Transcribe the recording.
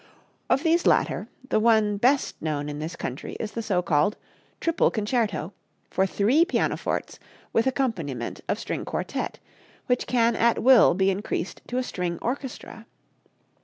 Of these latter the one best known in this country is the so called "Triple Concerto," for three pianofortes with accompaniment of string quartet, which can at will be increased to a string orchestra.